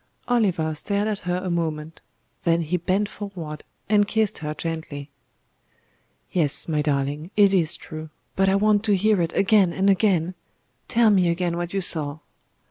Oliver stared at her a moment; then he bent forward and kissed her gently. "Yes, my darling; it is true. But I want to hear it again and again. Tell me again what you saw."